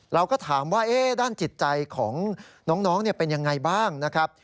เราก็ถามว่าด้านจิตใจของน้องเป็นยังไงบ้างนะครับ